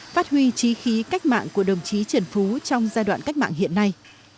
phát huy trí khí cách mạng của đồng chí trần phú trong giai đoạn cách mạng hiện nay